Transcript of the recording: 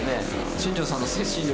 新庄さんの精神力